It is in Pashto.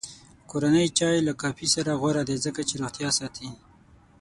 کورنی چای له کافي غوره دی، ځکه چې روغتیا ساتي.